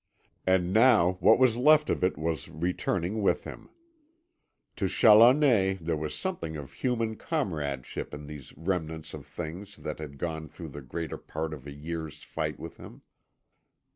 And now what was left of it was returning with him. To Challoner there was something of human comradeship in these remnants of things that had gone through the greater part of a year's fight with him.